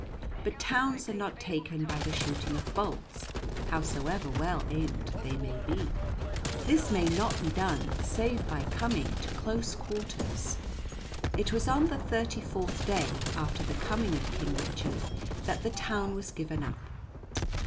But towns are not taken by the shooting of bolts, howsoever well aimed they may be. This may not be done save by coming to close quarters. It was on the thirty fourth day after the coming of King Richard that the town was given up.